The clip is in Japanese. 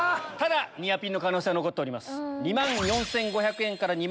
ニアピンの可能性は残ってます。